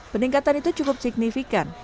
peningkatan itu cukup signifikan